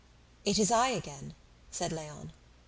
"It is I again!" said Léon.